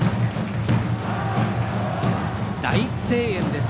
大声援です。